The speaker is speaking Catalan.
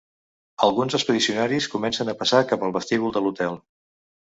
Alguns expedicionaris comencen a passar cap al vestíbul de l'hotel.